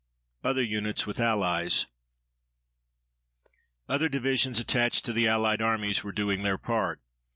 OTHER UNITS WITH ALLIES Other divisions attached to the allied armies were doing their part.